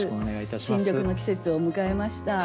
新緑の季節を迎えました。